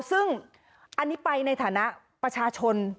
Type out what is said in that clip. ซึ่งอันนี้ไปในฐานะประชาชน